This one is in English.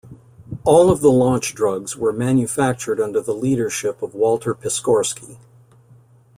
All of the launch drugs were manufactured under the leadership of Walter Piskorski.